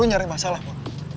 lo nyari masalah mo